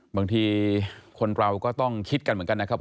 บางทีคนเราก็ต้องคิดกันเหมือนกันนะครับ